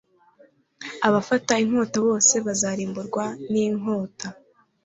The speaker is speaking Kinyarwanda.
abafata inkota bose bazarimburwa n'inkota